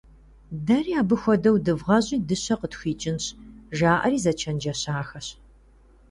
«Дэри абы хуэдэу дывгъащӀи дыщэ къытхуикӀынщ» - жаӀэри зэчэнджэщахэщ.